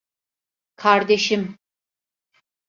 Kardeşim!